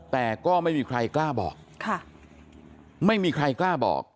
แต่ก็ไม่มีใครกล้าบอกค่ะไม่มีใครกล้าบอก